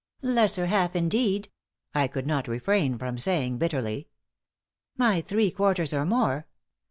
"Lesser half, indeed!" I could not refrain from saying, bitterly. "My three quarters, or more.